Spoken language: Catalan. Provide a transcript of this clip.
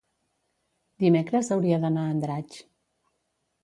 Dimecres hauria d'anar a Andratx.